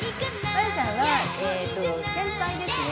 麻世さんは先輩ですね。